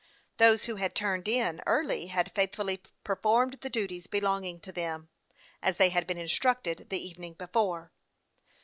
Those who had " turned in " early had faithfully performed the duties belong ing to them, as they had been instructed the evening before.